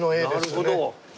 なるほど。